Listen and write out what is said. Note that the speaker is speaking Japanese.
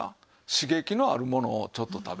刺激のあるものをちょっと食べる。